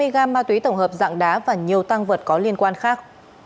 một trăm hai mươi gram ma túy tổng hợp dạng đá và nhiều tăng vật có liên quan khác